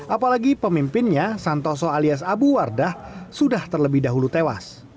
apalagi pemimpinnya santoso alias abu wardah sudah terlebih dahulu tewas